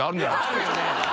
あるよね！